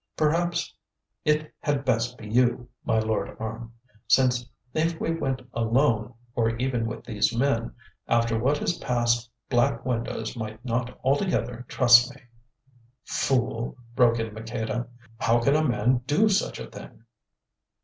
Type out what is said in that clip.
Perhaps it had best be you, my lord Orme, since if I went alone, or even with these men, after what is past Black Windows might not altogether trust me." "Fool," broke in Maqueda, "how can a man do such a thing?"